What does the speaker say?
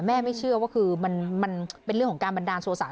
ไม่เชื่อว่าคือมันเป็นเรื่องของการบันดาลโทษะ